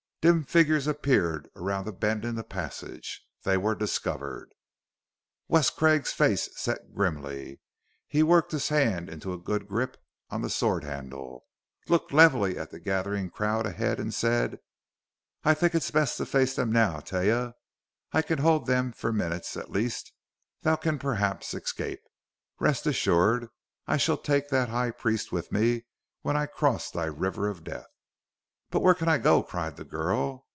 Dim figures appeared around the bend in the passage. They were discovered! Wes Craig's face set grimly; he worked his hand into a good grip on the sword handle, looked levelly at the gathering crowd ahead and said: "I think it best to face them now, Taia. I can hold them for minutes at least; thou canst perhaps escape. Rest assured I shall take that High Priest with me, when I cross thy River of Death!" "But where can I go?" cried the girl.